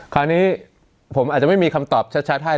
คราวนี้ผมอาจจะไม่มีคำตอบชัดให้